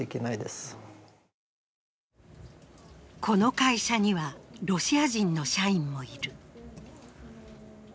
この会社にはロシア人の社員もいる。